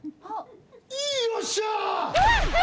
よっしゃ！